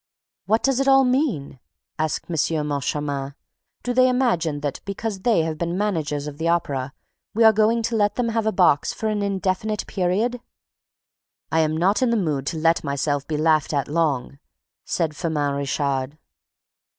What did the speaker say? "What does it all mean?" asked M. Moncharmin. "Do they imagine that, because they have been managers of the Opera, we are going to let them have a box for an indefinite period?" "I am not in the mood to let myself be laughed at long," said Firmin Richard.